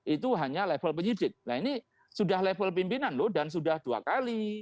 itu hanya level penyidik nah ini sudah level pimpinan loh dan sudah dua kali